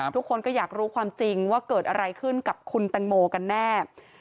ทุกคนก็อยากรู้ความจริงว่าเกิดอะไรขึ้นกับคุณแตงโมกันแน่